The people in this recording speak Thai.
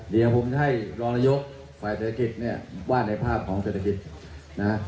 เดี๋ยวผมจะให้รองนายกฝ่ายเศรษฐกิจเนี่ยว่าในภาพของเศรษฐกิจนะฮะ